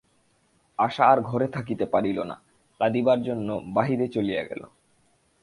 আশা আর ঘরে থাকিতে পারিল না–কাঁদিবার জন্য বাহিরে চলিয়া গেল।